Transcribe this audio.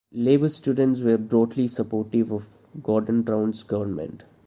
Labour Students were broadly supportive of Gordon Brown's government.